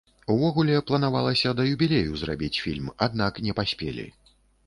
Увогуле, планавалася да юбілею зрабіць фільм, аднак не паспелі.